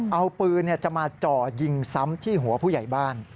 เอาปืนจะมาจ่อยิงซ้ำที่หัวผู้ใหญ่บ้าน